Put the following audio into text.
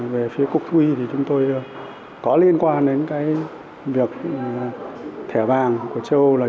về phía cục thu y chúng tôi có liên quan đến việc thẻ vàng của châu âu